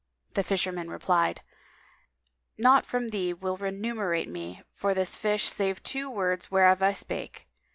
The Fisherman replied, "Naught from thee will remunerate me for this fish save the two words whereof I spake."